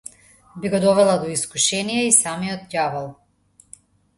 Би го довела до искушение и самиот ѓавол.